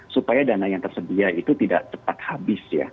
supaya dana yang tersedia itu tidak cepat habis ya